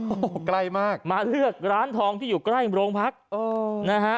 โอ้โหใกล้มากมาเลือกร้านทองที่อยู่ใกล้โรงพักนะฮะ